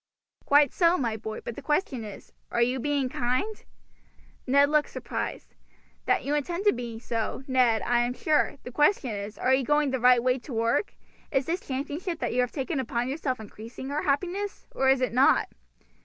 "Quite so, my boy; but the question is, Are you being kind?" Ned looked surprised. "That you intend to be so, Ned, I am sure. The question is, Are you going the right way to work? Is this championship that you have taken upon yourself increasing her happiness, or is it not?"